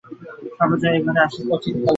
সর্বজয়া এ ঘরে আসে ক্বচিৎ কালেভদ্রে কখনো।